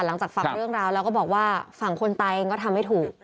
หลังจากฟังเรื่องราวแล้วก็บอกว่าฝั่งคนตายเองก็ทำไม่ถูก